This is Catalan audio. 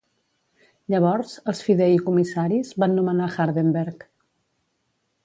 Llavors els fideïcomissaris van nomenar Hardenbergh.